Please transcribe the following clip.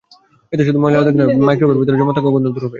এতে শুধু ময়লা দাগ নয়, মাইক্রোওয়েভের ভেতরে জমে থাকা গন্ধও দূর হবে।